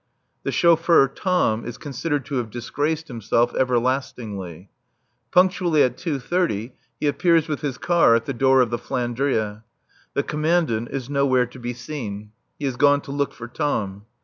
The chauffeur Tom is considered to have disgraced himself everlastingly. Punctually at two thirty he appears with his car at the door of the "Flandria." The Commandant is nowhere to be seen. He has gone to look for Tom.